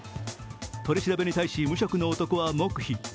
取り調べに対し無職の男は黙秘。